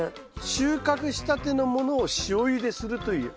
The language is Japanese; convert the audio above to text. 収穫したてのものを塩ゆでするという。